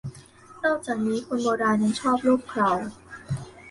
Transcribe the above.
นอกจากนี้คนโบราณยังชอบลูบเครา